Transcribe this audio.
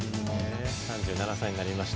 ３７歳になりました。